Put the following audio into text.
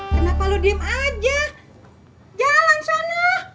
kenapa lu diem aja jalan sana